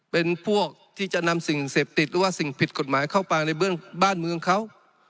เป็นพวกที่จะนำสิ่งเสพติดหรือว่าสิ่งผิดกฎหมายเข้าไปในเบื้องบ้านเมืองเขา